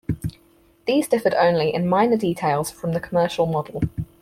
These differed only in minor details from the commercial model.